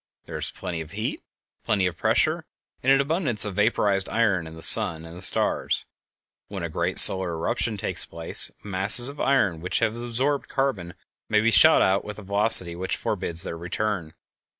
There is plenty of heat, plenty of pressure, and an abundance of vaporized iron in the sun and the stars. When a great solar eruption takes place, masses of iron which have absorbed carbon may be shot out with a velocity which forbids their return.